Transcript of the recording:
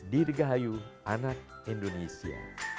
dirgahayu anak indonesia